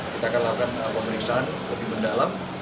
kita akan lakukan pemeriksaan lebih mendalam